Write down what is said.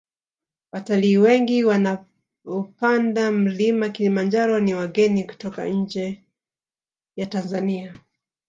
watalii wengi wanaopanda mlima kilimanjaro ni wageni kutoka nje ya tanzania